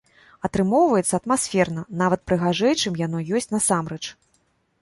Атрымоўваецца атмасферна, нават прыгажэй, чым яно ёсць насамрэч.